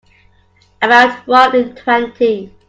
About one in twenty.